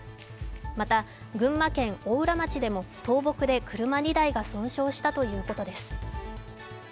また群馬県邑楽町でも倒木で車２台が損傷したということです。